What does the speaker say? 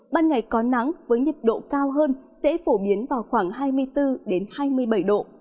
ban ngày có nắng với nhiệt độ cao hơn sẽ phổ biến vào khoảng hai mươi bốn hai mươi bảy độ